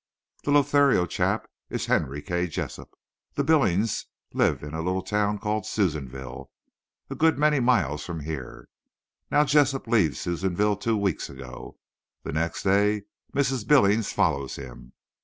The Lothario chap is Henry K. Jessup. The Billingses lived in a little town called Susanville—a good many miles from here. Now, Jessup leaves Susanville two weeks ago. The next day Mrs. Billings follows him.